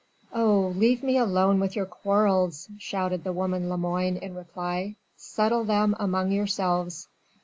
"Oh! leave me alone with your quarrels," shouted the woman Lemoine in reply. "Settle them among yourselves."